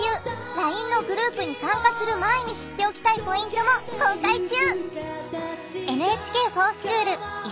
ＬＩＮＥのグループに参加する前に知っておきたいポイントも公開中